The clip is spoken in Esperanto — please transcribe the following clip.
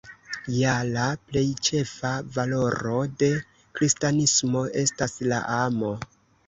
Ja la plej ĉefa valoro de kristanismo estas la amo.